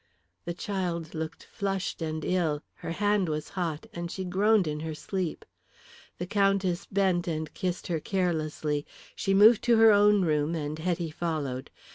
The child looked flushed and ill, her hand was hot, and she groaned in her sleep. The Countess bent and kissed her carelessly. She moved to her own room and Hetty followed.